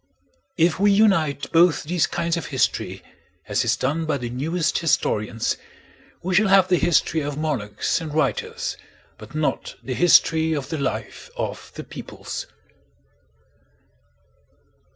If we unite both these kinds of history, as is done by the newest historians, we shall have the history of monarchs and writers, but not the history of the life of the peoples.